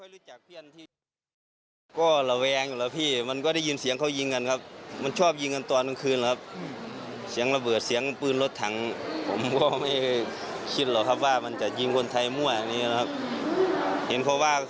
เรารอรับการเราไม่ต้องกับจ่ายข้าวตัวเอง